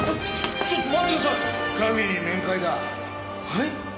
はい？